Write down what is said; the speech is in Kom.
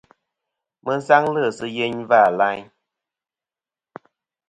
Mi sangli si yeyn va layn.